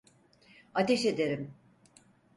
Ateş ederim!